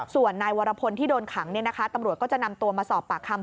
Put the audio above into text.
ส่วนนายวรพลที่โดนขังตำรวจก็จะนำตัวมาสอบปากคำ